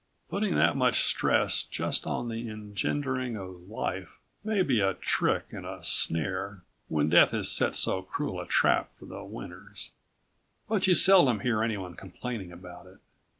Putting that much stress just on the engendering of life may be a trick and a snare, when Death has set so cruel a trap for the winners, but you seldom hear anyone complaining about it.